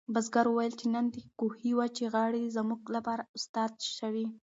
بزګر وویل چې نن د کوهي وچې غاړې زموږ لپاره استاد شوې.